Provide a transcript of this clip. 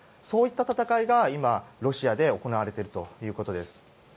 そういった闘いが今、ロシアで行われているということです。